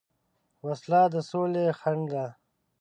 وسله د سولې خنډ ده